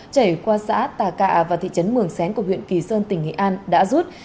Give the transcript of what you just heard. chảy qua xã tà cạ và thị trấn mường xén của huyện kỳ sơn tỉnh nghệ an đã rút